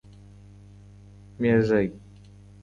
مېږی 🐜